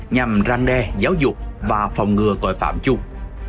nhằm ranh đe giáo dục và phòng ngừa tội phạm chung